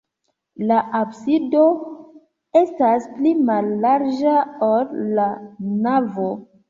La absido estas pli mallarĝa, ol la navo.